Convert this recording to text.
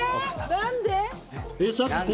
何で！